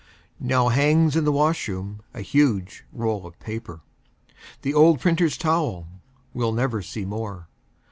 Now hangs in the washroom a huge roll of paper The old printer's towel we'll never see more.